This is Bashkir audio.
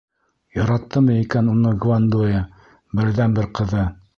Яраттымы икән уны Гвандоя, берҙән-бер ҡыҙы?